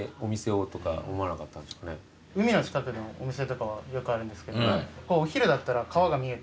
海の近くのお店とかはよくあるんですけど。